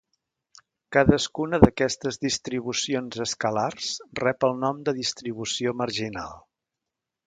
Cadascuna d'aquestes distribucions escalars rep el nom de distribució marginal.